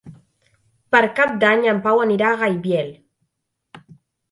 Per Cap d'Any en Pau anirà a Gaibiel.